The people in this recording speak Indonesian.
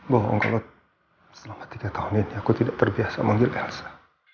bohong kalau selama tiga tahun ini aku tidak terbiasa memanggil elsa